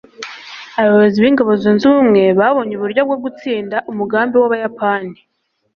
abayobozi b'ingabo zunze ubumwe babonye uburyo bwo gutsinda umugambi w'abayapani